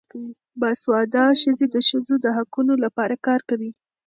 باسواده ښځې د ښځو د حقونو لپاره کار کوي.